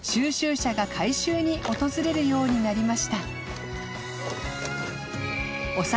玄屬回収に訪れるようになりました